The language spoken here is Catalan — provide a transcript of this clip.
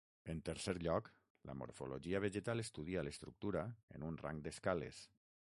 En tercer lloc, la morfologia vegetal estudia l'estructura en un rang d'escales.